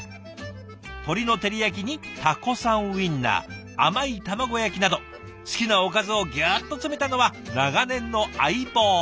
鶏の照り焼きにタコさんウインナー甘い卵焼きなど好きなおかずをギュッと詰めたのは長年の相棒。